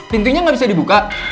pintunya gak bisa dibuka